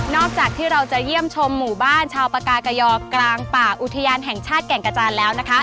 จากที่เราจะเยี่ยมชมหมู่บ้านชาวปากากยอกลางป่าอุทยานแห่งชาติแก่งกระจานแล้วนะคะ